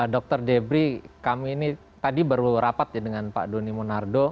dr debri kami ini tadi baru rapat ya dengan pak doni monardo